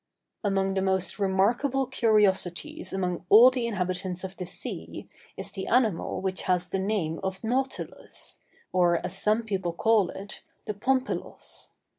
Among the most remarkable curiosities among all the inhabitants of the sea is the animal which has the name of nautilus, or, as some people call it, the pompilos.